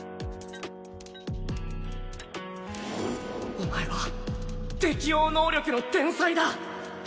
お前は適応能力の天才だ！